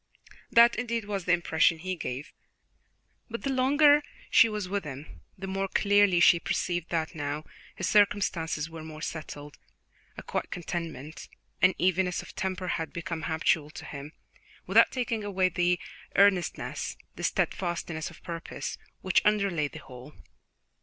That, indeed, was the impression he gave; but the longer she was with him, the more clearly she perceived that now his circumstances were more settled a quiet contentment, an evenness of temper, had become habitual to him, without taking away the earnestness, the steadfastness of purpose, which underlay the whole.